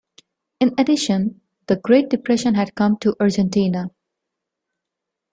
In addition, the Great Depression had come to Argentina.